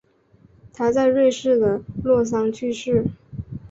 他在瑞士的洛桑去世。